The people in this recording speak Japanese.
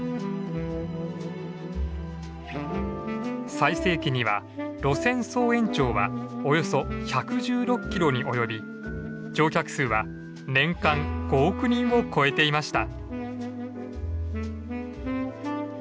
最盛期には路線総延長はおよそ１１６キロに及び乗客数は年間５億人を超えていました。